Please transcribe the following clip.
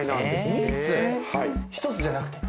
１つじゃなくて？